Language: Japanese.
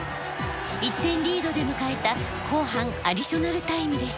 １点リードで迎えた後半アディショナルタイムでした。